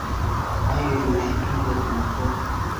还原游戏动作很不错